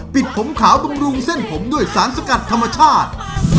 ปิดผมขาวบำรุงเส้นผมด้วยสารสกัดธรรมชาติ